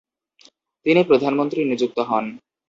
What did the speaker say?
তিনি প্রধানমন্ত্রী নিযুক্ত হন।